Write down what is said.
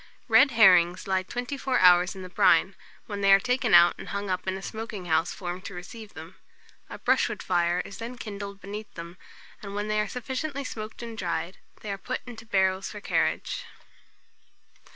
Red herrings lie twenty four hours in the brine, when they are taken out and hung up in a smoking house formed to receive them. A brushwood fire is then kindled beneath them, and when they are sufficiently smoked and dried, they are put into barrels for carriage.